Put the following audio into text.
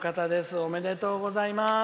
おめでとうございます。